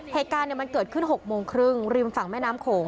เหตุการณ์มันเกิดขึ้น๖โมงครึ่งริมฝั่งแม่น้ำโขง